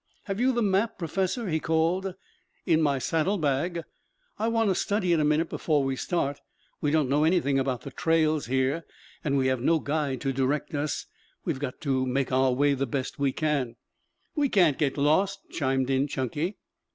"Have you the map, Professor?" he called. "In my saddle bag." "I want to study it a minute before we start. We don't know anything about the trails here and we have no guide to direct us. We've got to make our way the best we can." "We can't get lost," chimed in Chunky.